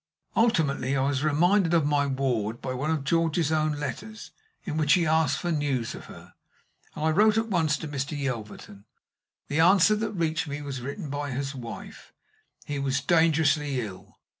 Ultimately I was reminded of my ward by one of George's own letters, in which he asked for news of her; and I wrote at once to Mr. Yelverton. The answer that reached me was written by his wife: he was dangerously ill.